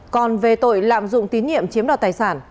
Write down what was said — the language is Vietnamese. còn về tội lạm dụng tín nhiệm chiếm đoạt tài sản